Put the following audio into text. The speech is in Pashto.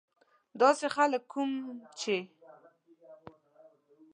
داسې خلک کوم چې.